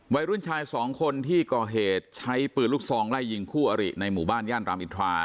วัยรุ่นชายสองคนที่ก่อเหตุใช้ปืนลูกซองไล่ยิงคู่อริในหมู่บ้านย่านรามอินทรา